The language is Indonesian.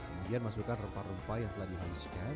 kemudian masukkan rempah rempah yang telah dihaluskan